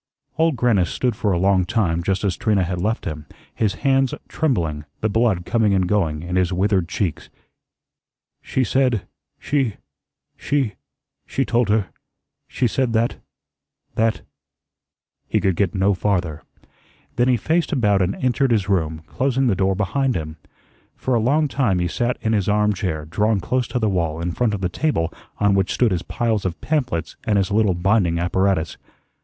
Old Grannis stood for a long time just as Trina had left him, his hands trembling, the blood coming and going in his withered cheeks. "She said, she she she told her she said that that " he could get no farther. Then he faced about and entered his room, closing the door behind him. For a long time he sat in his armchair, drawn close to the wall in front of the table on which stood his piles of pamphlets and his little binding apparatus.